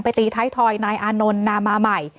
ไปตีไทยทอยนายอานนท์นามามัย